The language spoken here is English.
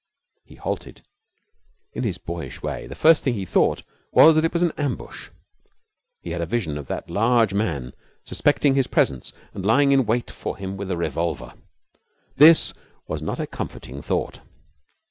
He halted. In his boyish way the first thing he thought was that it was an ambush. He had a vision of that large man suspecting his presence and lying in wait for him with a revolver. This was not a comforting thought.